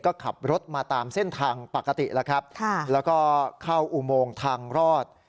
ก็ขับรถมาตามเส้นทางปกติแล้วครับแล้วก็เข้าอุโมงทางรอด